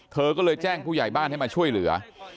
เธอก็เลยแจ้งผู้ใหญ่บ้านให้มาช่วยเหลือ